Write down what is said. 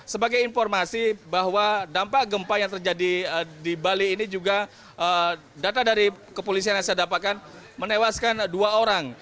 sebagai informasi bahwa dampak gempa yang terjadi di bali ini juga data dari kepolisian yang saya dapatkan menewaskan dua orang